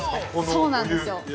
◆そうなんですよ。